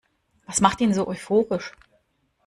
Was macht ihn so euphorisch?